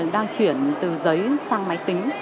đang chuyển từ giấy sang máy tính